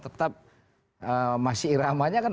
tetap masih iramanya kan